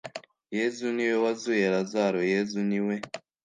yezu niwe wazuye razaro, yezu ni we